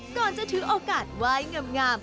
ก่อนจะถือโอกาสไหว้งาม